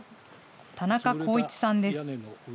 田中公一さんです。